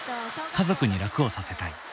家族に楽をさせたい。